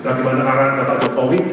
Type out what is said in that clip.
bagaimana arahan bapak jokowi